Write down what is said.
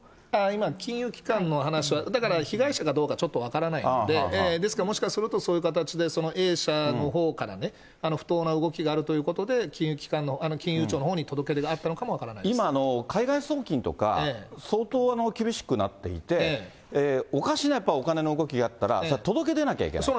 今、金融機関の話、だから、被害者かどうかちょっと分からないので、ですからもしかするとそういう形でそのＡ社のほうからね、不当な動きがあるということで、金融庁のほうに届け出があったのかも分今、海外送金とか、相当厳しくなっていて、おかしなお金の動きがあったら、届け出なきゃいけない。